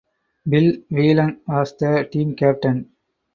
Bill Whelan was the team captain.